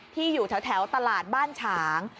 อยู่แถวตลาดบ้านฉาง